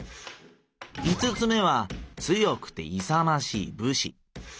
五つ目は強くて勇ましいぶし。